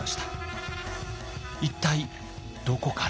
一体どこから？